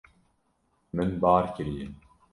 Min bar kiriye.